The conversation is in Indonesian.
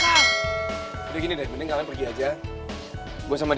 ya udah kita ke rumah